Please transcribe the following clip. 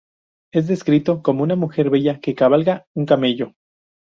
Es descrito como una mujer bella que cabalga un camello.